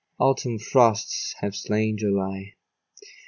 Autumn frosts have slain July.